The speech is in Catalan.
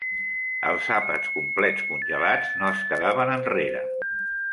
Els àpats complets congelats no es quedaven enrere.